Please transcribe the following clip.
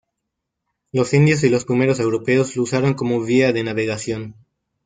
Los indios y los primeros europeos lo usaron como vía de navegación.